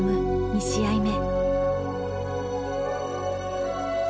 ２試合目。